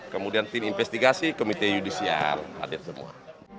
kemudian tim investigasi komite yudisial hadir semua